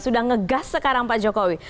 sudah ngegas sekarang pak jokowi